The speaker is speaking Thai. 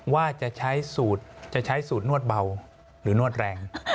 ว่าจะใช้สูตรจะใช้สูตรนวดเบาหรือนวดแรง